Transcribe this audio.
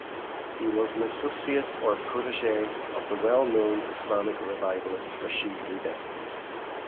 He was an "associate" or "protege" of the well known Islamic revivalist Rashid Rida.